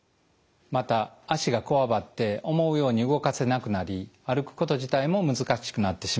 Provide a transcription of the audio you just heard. また脚がこわばって思うように動かせなくなり歩くこと自体も難しくなってしまいます。